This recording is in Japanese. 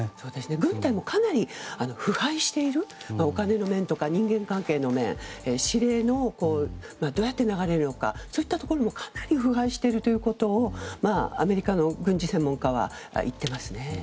軍隊もかなり腐敗しているお金の面とか人間関係の面指令がどうやって流れるのかそういったところもかなり腐敗しているとアメリカの軍事専門家は言っていますね。